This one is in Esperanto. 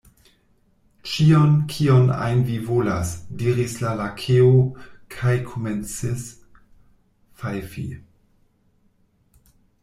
"Ĉion, kion ajn vi volas!" diris la Lakeo, kaj komencis fajfi.